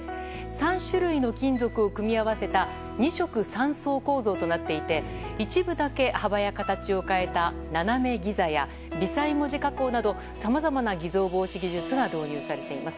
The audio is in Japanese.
３種類の金属を組み合わせた２色３層構造となっていて一部だけ幅や形を変えた斜めギザや微細文字加工などさまざまな偽造防止技術が導入されています。